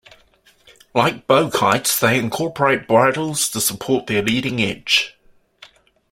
Like bow kites, they incorporate bridles to support their leading edge.